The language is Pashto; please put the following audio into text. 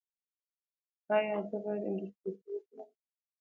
ایا زه باید اندوسکوپي وکړم؟